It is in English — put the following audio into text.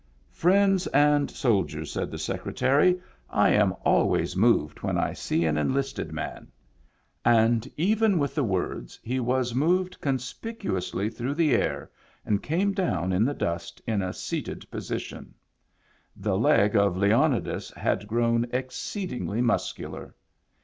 " Friends and soldiers," said the Secretary, " I Digitized by Google IN THE BACK 123 am always moved when I see an enlisted man —'* and even with the words, he was moved conspic uously through the air and came down in the dust in a seated position. The leg of Leonidas had grown exceedingly muscular.